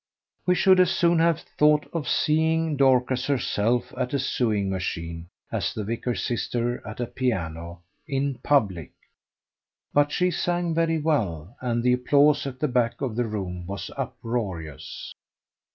We should as soon have thought of seeing Dorcas herself at a sewing machine as the vicar's sister at a piano in public but she sang very well, and the applause at the back of the room was uproarious.